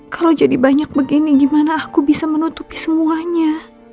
kalau jadi banyak begini gimana aku bisa menutupi semuanya